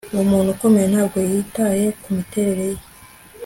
Umuntu ukomeye ntabwo yitaye kumiterere ye